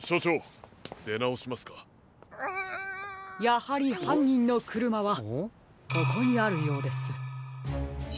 やはりはんにんのくるまはここにあるようです。